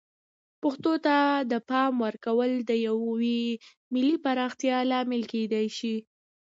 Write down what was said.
پښتو ته د پام ورکول د یوې ملي پراختیا لامل کیدای شي.